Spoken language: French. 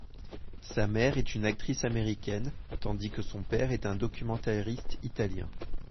Sa mère est une actrice américaine, tandis que son père est un documentariste italien.